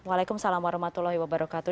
waalaikumsalam warahmatullahi wabarakatuh